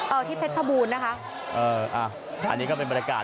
ที่เพชรชบูรณ์นะคะเอออ่าอันนี้ก็เป็นบรรยากาศ